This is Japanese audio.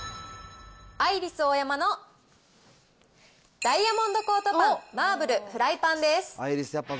アイリスオーヤマのダイヤモンドコートパンマーブルフライパンです。